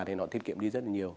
thì nó thiết kiệm đi rất là nhiều